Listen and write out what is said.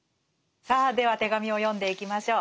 さあでは手紙を読んでいきましょう。